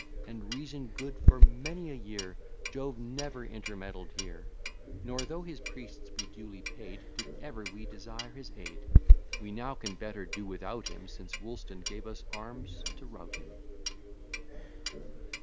And reason good; for many a year Jove never intermeddled here: Nor, though his priests be duly paid, Did ever we desire his aid: We now can better do without him, Since Woolston gave us arms to rout him.